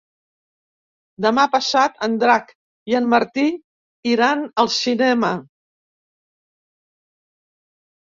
Demà passat en Drac i en Martí iran al cinema.